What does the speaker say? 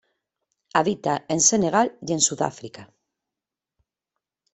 Habita en Senegal y en Sudáfrica.